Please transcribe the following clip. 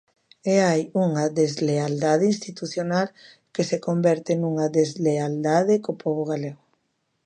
E hai unha deslealdade institucional que se converte nunha deslealdade co pobo galego.